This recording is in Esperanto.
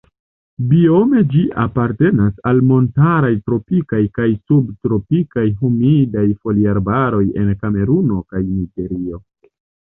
Biome ĝi apartenas al montaraj tropikaj kaj subtropikaj humidaj foliarbaroj en Kameruno kaj Niĝerio.